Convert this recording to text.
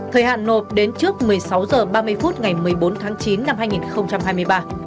thời hạn nộp đến trước một mươi sáu h ba mươi phút ngày một mươi bốn tháng chín năm hai nghìn hai mươi ba